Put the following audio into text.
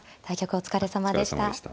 お疲れさまでした。